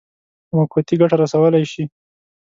موقتي ګټه رسولای شي.